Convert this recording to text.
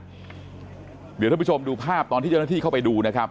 เดี๋ยวท่านผู้ชมดูภาพตอนที่เจ้าหน้าที่เข้าไปดูนะครับ